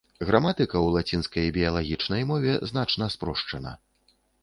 Граматыка ў лацінскай біялагічнай мове значна спрошчана.